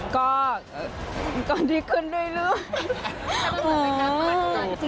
ก็ก็ดีขึ้นเรื่อย